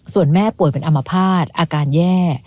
ส่วนแม่ป่วยเป็นอมภาษณ์อาการแย่